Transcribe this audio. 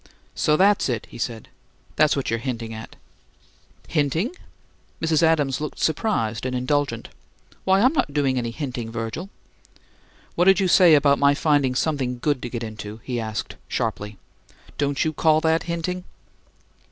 "So that's it," he said. "That's what you're hinting at." "'Hinting?'" Mrs. Adams looked surprised and indulgent. "Why, I'm not doing any hinting, Virgil." "What did you say about my finding 'something good to get into?'" he asked, sharply. "Don't you call that hinting?"